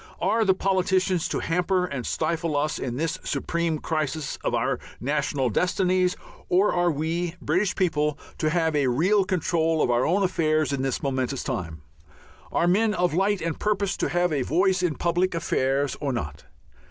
Are the politicians to hamper and stifle us in this supreme crisis of our national destinies or are we British peoples to have a real control of our own affairs in this momentous time? Are men of light and purpose to have a voice in public affairs or not?